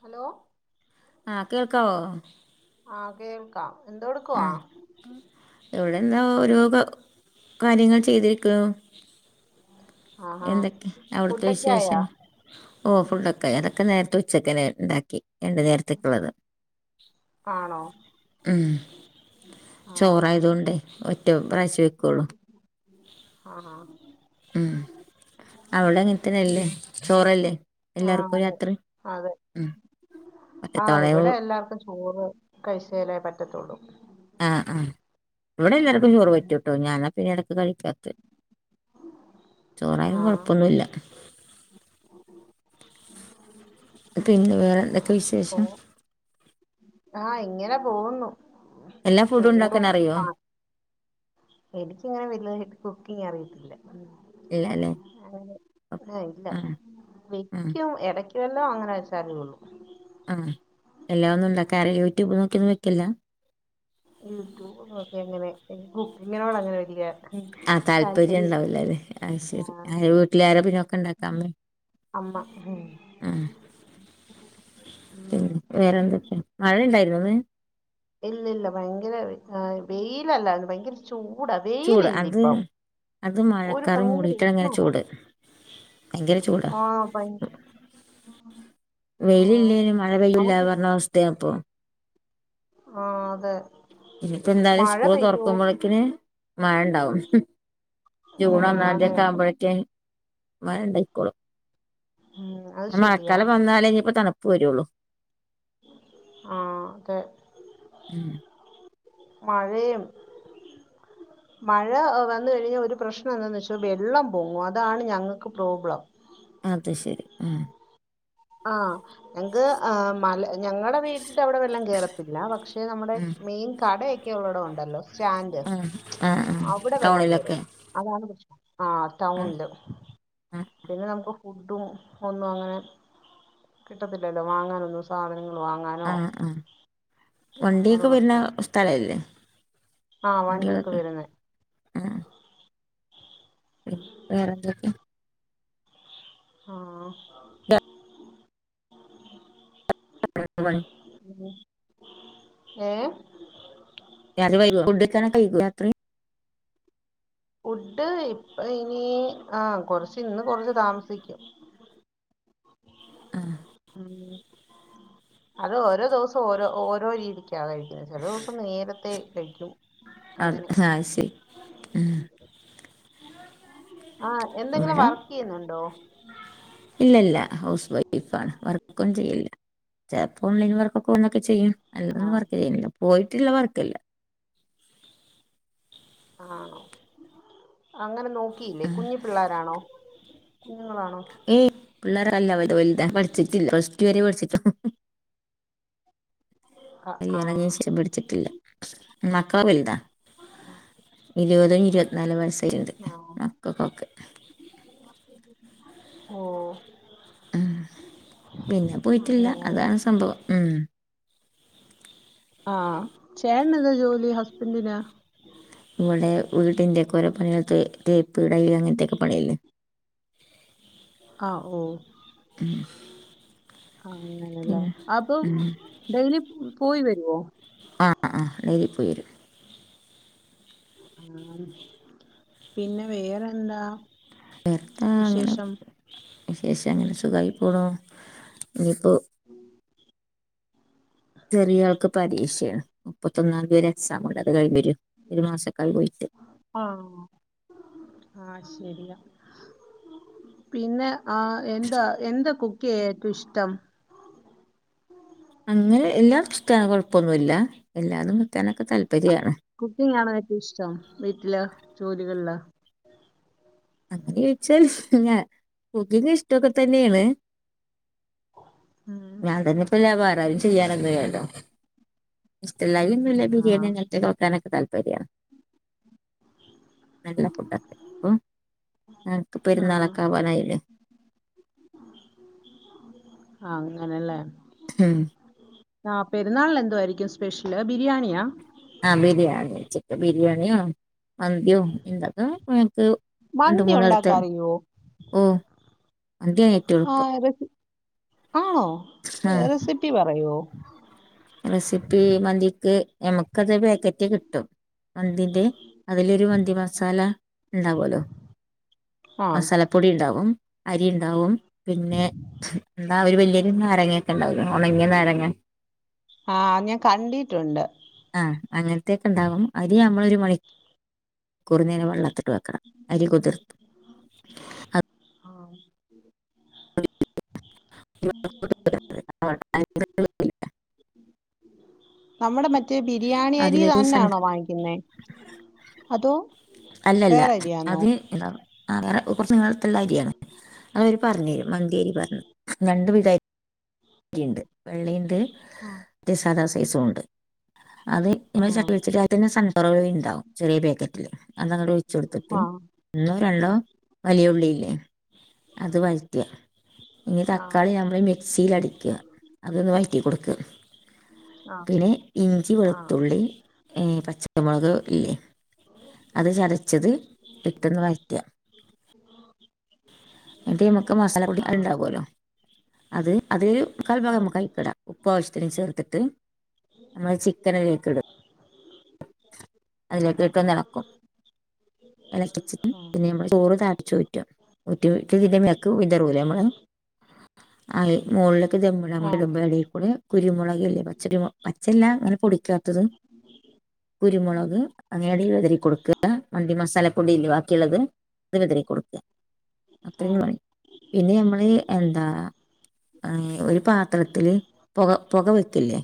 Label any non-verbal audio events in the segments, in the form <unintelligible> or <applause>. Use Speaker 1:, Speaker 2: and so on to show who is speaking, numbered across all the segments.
Speaker 1: Hello
Speaker 2: ആഹ കേൾക്കാവോ
Speaker 1: ആഹ കേൾക്കാം എന്തോ എടുക്കുവാ
Speaker 2: ഇവിടെ എന്താ ഓരോ കാര്യങ്ങൾ ചെയ്തിരിക്ക്ണ്
Speaker 1: ആഹാ
Speaker 2: എന്തൊക്കെ അവ്ട്ത്തെ
Speaker 1: ഫുഡൊക്കെ ആയാ
Speaker 2: വിശേഷം ഓഹ് ഫുഡൊക്കെ ആയി അതൊക്കെ നേരത്തെ ഉച്ചക്കനെ ഇണ്ടാക്കി രണ്ട് നേരത്തേക്കുള്ളത്
Speaker 1: ആണോ
Speaker 2: ഉം
Speaker 1: ആ
Speaker 2: ചോറായതോണ്ടേ ഒറ്റ പ്രാവശ്യെ വെക്കുള്ളൂ
Speaker 1: ആഹ ആഹ
Speaker 2: ഉം അവട അങ്ങൻതന്നല്ലേ ചോറല്ലേ
Speaker 1: ആ
Speaker 2: എല്ലാർക്കും
Speaker 1: അതെ
Speaker 2: രാത്രി
Speaker 1: അതെ
Speaker 2: ഉം
Speaker 1: ആഹ്
Speaker 2: പറ്റത്തവണ
Speaker 1: ഇവിടെ എല്ലാർക്കും ചോ ചോറ് കഴിച്ചാലേ പറ്റത്തുള്ളൂ
Speaker 2: ആഹ് ആഹ ഇവിടെ എല്ലാർക്കും ചോറ് പറ്റുട്ടോ ഞാനാ പിന്നെ ഇടക്ക് കഴിക്കാത്തത് ചോറായാലും
Speaker 1: ആ
Speaker 2: കൊഴപ്പൊന്നുല്ല
Speaker 1: <unintelligible>
Speaker 2: പിന്നെ വേറെ
Speaker 1: ആ
Speaker 2: എന്തൊക്കെ വിശേഷം
Speaker 1: ആഹ് ഇങ്ങനെ പോകുന്നു
Speaker 2: എല്ലാ ഫുഡും
Speaker 1: ചൂടും
Speaker 2: ഉണ്ടാക്കാൻ അറിയോ
Speaker 1: എനിക്കിങ്ങനെ വലുതായിട്ട് കുക്കിങ് അറിയത്തില്ല ഉം
Speaker 2: ഇല്ല അല്ലേ
Speaker 1: ഞാൻ ആഹ് ഇല്ല
Speaker 2: ആഹ്
Speaker 1: വെക്കും ഇടക്ക് ഇല്ലാം അങ്ങനെ വെച്ചാലെ ഒള്ളൂ
Speaker 2: ആഹ് എല്ലാ ഒന്നും ഇണ്ടക്കാറി യൂട്യൂബ് നോക്കി ഒന്നും വെക്കലില്ല
Speaker 1: യൂട്യൂബ് നോക്കി അങ്ങനെ കുക്കിങ്ങനോട് അങ്ങനെ വല്യ
Speaker 2: ആഹ് താല്പര്യം ഇണ്ടാവുലല്ലേ അയി ശരി
Speaker 1: ആ
Speaker 2: വീട്ടിലാര പിന്ന ഒക്കെ ഇണ്ടാക്കാ അമ്മേ
Speaker 1: അമ്മ ഉം
Speaker 2: ആഹ് പിന്നെ
Speaker 1: ഉം
Speaker 2: വേറെന്തൊക്കെ മഴ ഇണ്ടായിരുന്നോ ഇന്ന്
Speaker 1: ഇല്ല ഇല്ല ഭയങ്കര വെയ് വെയിലല്ലാര്ന്ന് ഭയങ്കര ചൂടാ
Speaker 2: ചൂട് അത്
Speaker 1: വെയിലില്ലിപ്പം
Speaker 2: അത്
Speaker 1: ഒരു
Speaker 2: മഴക്കാറ്
Speaker 1: ഭയങ്കര
Speaker 2: മൂടിയിട്ടാണ് ഇങ്ങനെ
Speaker 1: ഉഷ്ണവാ
Speaker 2: ചൂട് ഭയങ്കര ചൂടാ
Speaker 1: ആഹ് <unintelligible>
Speaker 2: വെയില്
Speaker 1: ആഹ്
Speaker 2: ഇല്ലേനും മഴ പെയ്യൂല
Speaker 1: നമുക്ക്
Speaker 2: പർഞ്ഞ അവസ്ഥയാ ഇപ്പൊ.
Speaker 1: ആഹ് അതെ
Speaker 2: ഇഞ്ഞ്‌പ്പ എന്തായാലും
Speaker 1: മഴ
Speaker 2: സ്കൂള്
Speaker 1: പെയ്യോ
Speaker 2: തൊർക്കുമ്പൊളക്കിന് മഴണ്ടാവും. ജൂണ്
Speaker 1: ഉം
Speaker 2: ഒന്നാന്തി
Speaker 1: അതെ
Speaker 2: ഒക്കെ
Speaker 1: അതെ
Speaker 2: ആവ്മ്പഴേക്ക് മഴണ്ടായിക്കോളും.
Speaker 1: ഉം അത് ശരിയാ
Speaker 2: മഴക്കാലം വന്നാലേ ഇനിപ്പ തണുപ്പ് വരുള്ളു.
Speaker 1: ആഹ് തെ.
Speaker 2: ഉം
Speaker 1: മഴയും
Speaker 2: <inaudible>
Speaker 1: മഴ വന്ന് കഴിഞ്ഞാ ഒരു പ്രശ്നം എന്താന്ന് വെച്ചാ വെള്ളം പൊങ്ങും. അതാണ് ഞങ്ങൾക്ക് പ്രോബ്ലം.
Speaker 2: അത് ശരി ഉം
Speaker 1: ആഹ് ഞങ്ങ്ക്ക് ആ മല ഞങ്ങടെ വീടി ന്റെ അവിടെ വെള്ളം കേറത്തില്ല. പക്ഷെ നമ്മുടെ
Speaker 2: ഉം
Speaker 1: മെയിൻ കടയൊക്കെ ഉള്ളടം ഉണ്ടല്ലോ സ്റ്റാന്റ്
Speaker 2: ആ ആ ആ
Speaker 1: അവിടെ വെള്ളം കേറും.
Speaker 2: ടൗണിലൊക്കെ
Speaker 1: അതാണ് പ്രശ്നം. ആ
Speaker 2: ആ
Speaker 1: ടൗൺല്
Speaker 2: ആ
Speaker 1: പിന്നെ നമുക്ക് ഫുഡും ഒന്നും അങ്ങനെ കിട്ടത്തില്ലല്ലോ വാങ്ങാനൊന്നും സാധനങ്ങൾ വാങ്ങാൻ
Speaker 2: ഉം ഉം വണ്ടിയൊക്കെ വരുന്ന
Speaker 1: പ്രശ്നം
Speaker 2: സ്ഥലല്ലേ?
Speaker 1: ആ വണ്ടിയൊക്കെ
Speaker 2: വണ്ടികളൊക്കെ
Speaker 1: വരുന്നേ
Speaker 2: ആഹ് വേറെന്തൊക്കെ?
Speaker 1: ആഹ്
Speaker 2: രാത്രി പണി
Speaker 1: ഏഹ്
Speaker 2: <unintelligible> ഫുഡ് കഴ്ക്കാനൊക്കെ വൈകോ രാത്രി
Speaker 1: ഫുഡ് ഇപ്പ ഇനി ആഹ് കൊർച്ച് ഇന്ന് കൊർച്ച് താമസിക്കും
Speaker 2: ആഹ്
Speaker 1: <unintelligible> അത് ഓരോ ദിവസോം ഓരോ ഓരോ രീതിക്കാ കഴിക്കുന്നത്. ചെല ദിവസോം നേരത്തെ കഴിക്കും അങ്ങനെ
Speaker 2: അത് ആഹ് ശരി ഉം
Speaker 1: ആഹ് എന്തെങ്കിലും വർക്കെയ്യുന്നുണ്ടോ
Speaker 2: ഇല്ല ഇല്ല ഹൗസ് വൈഫാണ് വർക്കും ചെയ്യലില്ല ചെൽപ്പൊ ഓൺലൈൻ വർക്കൊക്ക വന്നൊക്കെ ചെയ്യും
Speaker 1: ആ
Speaker 2: അല്ലാതൊന്നും വർക്ക് ചെയ്യണില്ല പോയിട്ടുള്ള വർക്കല്ല
Speaker 1: ആണോ അങ്ങനെ നോക്കിയില്ലേ കുഞ്ഞ് പിള്ളാരാണോ കുഞ്ഞുങ്ങളാണോ
Speaker 2: ഏയ് പിള്ളേ അല്ല വൽതാ പട്ച്ചിട്ടില്ല പ്ലസ്ടു വരെ പട്ച്ച്ട്ടുള്ളു
Speaker 1: ആഹ്
Speaker 2: കല്യാണം
Speaker 1: ആഹ്
Speaker 2: കഴിച്ചിട്ട് പട്ച്ചിട്ടില്ല. മക്കള് വൽതാ ഇര്വതും ഇരുവത്ത്നാലും വയസായിട്ട്ണ്ട്
Speaker 1: ആഹ്
Speaker 2: <unintelligible> ഓക്കെ
Speaker 1: ഓഹ്
Speaker 2: ഉം പിന്നെ പോയിട്ടില്ല
Speaker 1: അങ്ങനെല്ലേ
Speaker 2: അതാണ് സംഭവം ഉം
Speaker 1: ആഹ് ചേട്ട്ന് എന്താ ജോലി ഹസ്ബന്റിന്
Speaker 2: ഇവിടെ വീടിന്റേക്ക ഓരോ പണികള് തേ തേപ്പ് ടൈല് അങ്ങൻത്തെക്ക പണി ഇല്ലേ
Speaker 1: ആഹ് ഓഹ്
Speaker 2: ഉം
Speaker 1: ആഹ് അങ്ങനല്ലേ അപ്പം
Speaker 2: ഉം.
Speaker 1: ഡെയ്ലി പോയി വരോ
Speaker 2: ആഹ് ആഹ് ഡെയ്ലിപ്പോയി വരും
Speaker 1: പിന്നെ വേറെന്താ
Speaker 2: വേർത്താങ്ങനെ
Speaker 1: വിശേഷം
Speaker 2: വിശേഷം അങ്ങനെ സുഖായി പോണു, ഇനീപ്പോ ചെറിയ ആൾക്ക് പരീക്ഷെ മുപ്പത്തൊന്നാന്തീവരെ എക്സാം ഇണ്ട് അത് കഴിഞ്ഞ് വരും ഒര് മാസക്കായി പോയിട്ട്
Speaker 1: ആഹ് ആഹ് ശെരിയാ പിന്നെ ആഹ് എന്താ എന്താ കുക്കെയ്യാൻ ഏറ്റം ഇഷ്ടം
Speaker 2: അങ്ങനെ എല്ലാർക്കും ഇഷ്ടാണ് കൊഴപ്പൊന്നുല്ല എല്ലാതും കിട്ടാനൊക്കെ താല്പര്യാണ്
Speaker 1: കുക്കിംങ്ങാണോ ഏറ്റവും ഇഷ്ടം വീട്ടില് ജോലികൾല്
Speaker 2: അങ്ങനെ ചോദിച്ചാൽ ല്ലാ കുക്കിംങ്ങ് ഇഷ്ടൊക്കെ തന്നെണ്
Speaker 1: ഉം
Speaker 2: ഞാൻ തന്നെ ചെയ്യണം വേറാരും ചെയ്യാനൊന്നും ഇല്ലല്ലോ ഇഷ്ടല്ലായിമന്നുല്ല ബിരിയാണി
Speaker 1: ആഹ്
Speaker 2: അങ്ങൻത്തെക്കെ വെക്കാനൊക്കെ താല്പര്യാ <inaudible> നല്ല <unintelligible> ആഹ് അൻക്ക്
Speaker 1: ആഹ്
Speaker 2: പെരുന്നാളൊക്ക ആവാനായില്ലേ
Speaker 1: ആഹ് അങ്ങനെല്ലേ
Speaker 2: ഹ്മ്മ്
Speaker 1: ആഹ് പെരുന്നാളില് എന്തുവായിരിക്കും സ്പെഷ്യല് ബിരിയാണിയാ
Speaker 2: ആഹ് ബിരിയാണി, ചിക്കൻ ബിരിയാണിയോ മന്തിയോ <unintelligible> ഞമ്മക്ക്
Speaker 1: മന്തി
Speaker 2: രണ്ട്മൂന്നട്ത്തേ
Speaker 1: ഉണ്ടാക്കാ അറിയോ
Speaker 2: ഓഹ് അതേ
Speaker 1: ആഹ് റെസി ആണോ
Speaker 2: ആ
Speaker 1: റെസിപ്പി പറയോ
Speaker 2: റെസിപ്പി മന്തിക്ക് ഞമ്മക്കതെ പാക്കറ്റ് കിട്ടും മന്തിന്റെ അതിലൊരു മന്തി മസാല ഇണ്ടാവല്ലോ
Speaker 1: ആഹ്
Speaker 2: പൊടിണ്ടാവും അരിണ്ടാവും പിന്നെ ആഹ് ഒര് വല്യയൊരു നാരങ്ങേയൊക്കെ ഇണ്ടാവൂലേ ഒണങ്ങിയ നാരങ്ങ
Speaker 1: ആഹ് ഞാൻ കണ്ടിട്ടുണ്ട്
Speaker 2: ആഹ് അങ്ങൻത്തേക്കണ്ടാവും അരി ഞമ്മളൊരു മണി ക്കൂറ്നേരം വള്ളത്തിട്ട് വെക്കണം അരി കുതിർത്ത്
Speaker 1: <inaudible> ആഹ് <unintelligible> നമ്മടെ മറ്റേ ബിരിയാണി അരി
Speaker 2: അതിലേക്ക് സൺ
Speaker 1: തന്നാണോ വാങ്ങി ക്ക്ന്നെ അതോ
Speaker 2: അല്ലല്ല
Speaker 1: വേറെ അരിയാന്നോ
Speaker 2: അത് എന്താ ആഹ് വേറെ കൊറച്ച് നീളത്തിൽല്ലെ അരിയാണ് അത് പറഞ്ഞ് മന്തിയരി പറഞ്ഞ് രണ്ട് വിധ അരിണ്ട് വെള്ളിണ്ട്
Speaker 1: ആഹ്
Speaker 2: മറ്റെ സാധാ സൈസുവുണ്ട്, അത് <unintelligible> ചട്ടി
Speaker 1: ആഹ്
Speaker 2: വെിച്ചിട്ട്അത് പിന്നെ സൺഫ്ലവറോയില്ണ്ടാവും ചെറിയ പാക്കറ്റില് അതങ്ങട്ട് ഒഴി ച്ചൊട്ത്ത്ട്ട്
Speaker 1: ആഹ്
Speaker 2: ഇന്നോ രണ്ടോ വലിയ ഉള്ളിയില്ലേ അത് വഴറ്റ, ഇനി തക്കാളി നമ്മള് മി ക്സിലടിക്ക, അതൊന്ന് വഴറ്റി കൊടുക്ക
Speaker 1: ആഹ്
Speaker 2: പിന്നെ ഇഞ്ചി
Speaker 1: ആഹ്
Speaker 2: വെളുത്തുള്ളി ഏഹ് പച്ചമുളക് ഇല്ലേ അത് ചരച്ചത് പിട്ടന്ന് വയറ്റ
Speaker 1: <inaudible>
Speaker 2: ഇന്നട്ട് നമ്മക്ക് മസാല പൊടി
Speaker 1: ആഹ്
Speaker 2: അത്
Speaker 1: ആഹ്
Speaker 2: ഇണ്ടാവല്ലോ അത് അതൊരു മുക്കാൽഭാഗം
Speaker 1: ആഹ്
Speaker 2: നമുക്ക് അയിക്കിടാം ഉപ്പ് ആവശ്യത്തിന് ചേർത്തിട്ട് നമ്മള് ചിക്കനയിലേക്ക് ഇടും അതിലേക്ക് ഇട്ടൊന്ന് എളക്കും എളക്കിച്ചിട്ട് പിന്നെ ചോറ് തളപ്പിചൂറ്റും ഉറ്റയത് ഇതിന്റെ മേൽക്ക് വിതറൂലെ നമ്മള് അയ് മോളിലേക്ക് ധമ്മിടാൻ
Speaker 1: ആഹ്
Speaker 2: <unintelligible>
Speaker 1: ആഹ്
Speaker 2: ഇടുമ്പോൾ അടികൂടെ കുരുമുളകല്ലേ പച്ചരിമ പച്ചല്ല അങ്ങനെ പൊടിക്കാത്തത് കുരുമുളക് അങ്ങനെഎടയിൽ വിതറി കൊടുക്കുക അണ്ടി മസാലപ്പൊടിലെവാക്കിയുള്ളത് അത് വിതറി കൊടുക്ക.
Speaker 1: ആഹ്
Speaker 2: അത്രിമം പിന്നെ നമ്മള് എന്താ ഏഹ് ഒരു പാത്രത്തില് പുക പുക വെക്കില്ലേ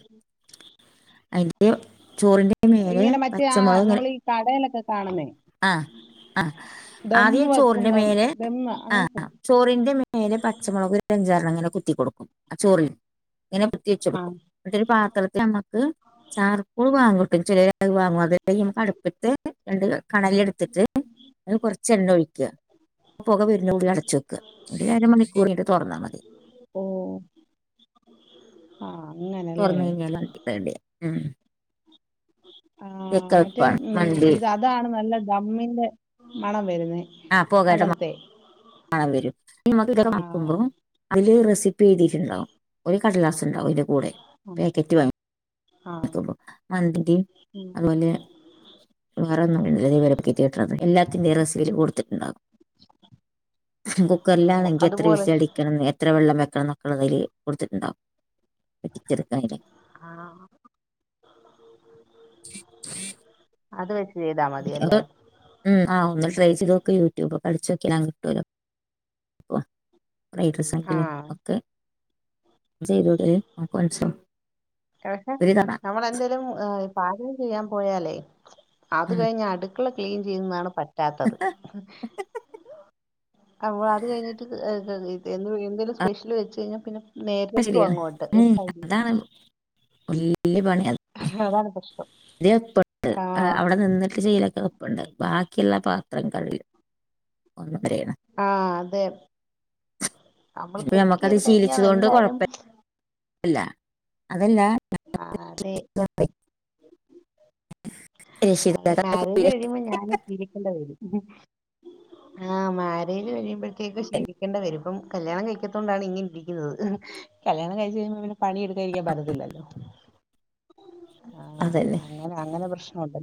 Speaker 2: അ ചോറിന്റെ മേലെ
Speaker 1: ഇങ്ങനെ മറ്റേ ആ
Speaker 2: പച്ചമുളക് ഇങ്ങനെ
Speaker 1: നമ്മളീ കടലൊക്കെ കാണുന്നേ
Speaker 2: ആ ആ
Speaker 1: ദമ്മ്
Speaker 2: ആദ്യം ചോറിന്റെ
Speaker 1: വെക്കുമ്പോ
Speaker 2: മേലെ
Speaker 1: ദമ്മ അങ്ങനത്തെ
Speaker 2: ചോറിന്റെ മേലെ പച്ചമുളക് ഒരു അഞ്ചാറണം ങ്ങനെ കുത്തിക്കൊടുക്കും ആ ചോറി ഇങ്ങനെ പറ്റി വെച്കൊടുക്കും.
Speaker 1: ആഹ്
Speaker 2: എന്നരു പാത്രത്തിൽ നമ്മുക്ക് ചാർക്കൂൾ വാങ്ങട്ടും ചിലര് അത് വാങ്ങും അതെന്ത് ചെയ്യും അട്പ്പ് ട്ട് രണ്ട് കണല് എടുത്തിട്ട് അത് കൊറച്ച് എണ്ണ ഒഴിക്ക പുക വരുന്ന കൂടി അടച് വെക്ക. അര മണിക്കൂർ കഴിഞ്ഞിട്ട് തുറന്നാൽ മതി
Speaker 1: ഓഹ് ആഹ് അങ്ങനെ
Speaker 2: തുറന്ന കഴിഞ്ഞാൽ വേണ്ടി ഉം
Speaker 1: ആഹ് മറ്റേ
Speaker 2: വെക്കാപ്പാണ്
Speaker 1: മം
Speaker 2: മന്തി
Speaker 1: ഇത് അതാണ് നല്ല ദമ്മിന്റെ മണം വരുന്നത്
Speaker 2: ആഹ് പോകെടെ മണം വരും. നമക്ക് ഇതൊക്ക
Speaker 1: ആഹ്
Speaker 2: നോക്കുമ്പോൾ അതില് റെസിപ്പ് എഴതിട്ടുണ്ടാവും. ഒരു കടലാസം ഉണ്ടാവും, അതില് കൂടെ
Speaker 1: ഉം
Speaker 2: പാക്കറ്റ് വാങ്ങ
Speaker 1: ആഹ്
Speaker 2: മന്തി
Speaker 1: ഉം
Speaker 2: അതുപോലെ <unintelligible> എല്ലത്തിന്റെ റെസിപ്പി അതിൽ കൊടുത്തിട്ടുണ്ടാകും
Speaker 1: ഓഹ്
Speaker 2: കുക്കറിലാണെങ്കിൽ എത്ര
Speaker 1: അതുപോലെ
Speaker 2: വീസി അടിക്കണം എ ത്ര വെള്ളം വെക്കണംന്നെക്കെള്ളത് അതിൽ കൊടുത്തിട്ടുണ്ടാവും വെറ്റിച്ചെടുക്കല്ലെിൽ
Speaker 1: ആഹ് അത് വെച്ച് ചെയ്താ മതിയല്ലേ
Speaker 2: ഉം ആ ഒന്ന് ട്രൈ ചെയ്ത് നോക് യൂട്യൂബ്ഒക്കെ അടിച്ചു നോക്കി ആ കിട്ടുവലോ ൈഡസങ്കിലും
Speaker 1: ആഹ്
Speaker 2: ഒക്കെ ചെയ്തട നക്ക്നസ <unintelligible>
Speaker 1: പക്ഷെ നമ്മളെന്തേലും പാചകം ചെയ്യാൻ പോയാലേ അത് കഴിഞ്ഞ് അടു ക്കള ക്ലീൻ ചെയ്യന്നാണ് പറ്റാത്തത് അപ്പോൾ അത് കഴിഞ്ഞിട്ട് എന്ത് എന്തെങ്കിലും സ്പെഷ്യല് വെച്ച് കഴിഞ്ഞാൽ പിന്നെ നേരിക്ക്
Speaker 2: ശരിയാണ്
Speaker 1: അങ്ങോട്ട് ഒരു കൈഡിയ
Speaker 2: വല്യ പണിയ
Speaker 1: അതാണ് കഷ്ടം.
Speaker 2: ഇത്ഞാൻപ്പെട്ട് അവിടെ നിന്ന് ക്ക് ചെയലൊക്കെപ്പുണ്ട്. ബാക്കിയുള്ള പാത്രം ക <unintelligible>
Speaker 1: ആ അതെ. നമ്മൾ
Speaker 2: ഇപ്പൊ
Speaker 1: കുക്ക്
Speaker 2: നമുക്കത്
Speaker 1: ചെയ്ത് കഴിഞ്ഞാൽ എന്തായാലും
Speaker 2: ഇല്ല അതല്ല
Speaker 1: ആഹ് അതെ അതെ മാരേജ്
Speaker 2: രക്ഷിതാക്കളെ
Speaker 1: കഴിയുമ്പോ ഞാൻ ശീലിക്കണ്ടേ വരും ആഹ് മാരേജ് കഴിയുമ്പോഴത്തേക്കും ശീലിക്കേണ്ടിവരും. ഇപ്പം കല്യാണം കഴിക്കാത്തകൊണ്ടാണ് ഇങ്ങനെ ഇരിക്കുന്നത്. കല്യാണം കഴിച്ച് കഴിയുമ്പോൾ പിന്നെ പണിയെടുക്കാതിരിക്കാൻ പറ്റത്തില്ലല്ലോ. ആഹ്
Speaker 2: അതന്നെ
Speaker 1: അങ്ങനെ അങ്ങനെ പ്രശ്നം ഉണ്ട്,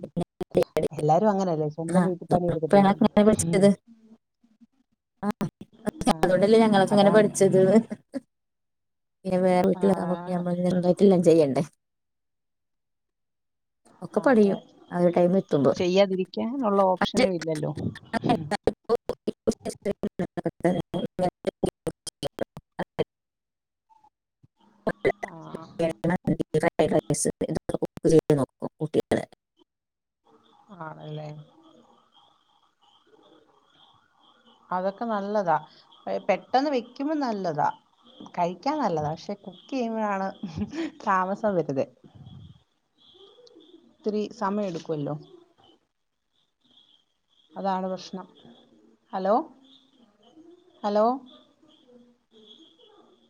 Speaker 1: എല്ലാരും അങ്ങനല്ലേ സ്വന്തം വീട്ട
Speaker 2: <unintelligible> ആ അതുകൊണ്ടല്ലേ
Speaker 1: ആഹ്
Speaker 2: ഞങ്ങളൊക്കെ ഇങ്ങനെ
Speaker 1: അതാണ്
Speaker 2: പഠിച്ചത്? പിന്നെ വേറെ വീട്ടില്
Speaker 1: ആഹ്
Speaker 2: ഞമ്മൾ സ്വന്തായിട്ട് എല്ലാം ചെയ്യണ്ടേ? ഒക്കെ പഠിയും
Speaker 1: അതെ
Speaker 2: ആ ഒരു ടൈം എത്തുമ്പോ
Speaker 1: ചെയ്യാതിരിക്കാനുള്ള ഓപ്ഷനും ഇല്ലല്ലോ
Speaker 2: അ <unintelligible> അതെ. <unintelligible>
Speaker 1: ആഹ്
Speaker 2: <unintelligible> <unintelligible> <unintelligible>
Speaker 1: ആണല്ലെ അതൊക്കെ നല്ലതാ. പെ പെട്ടെന്ന് വിക്കുമ്പം നല്ലതാ. കഴിക്കാൻ നല്ലതാ പക്ഷെ കുക്കെ യ്യുമ്പഴാണ് താമസം വരുന്നെ. ത്തിരി സമയം എടുക്കുവല്ലൊ. അതാണ് പ്രശ്നം. Hello hello.